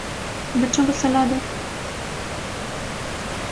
بچوں کو سلا دو